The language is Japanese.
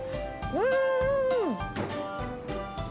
うん！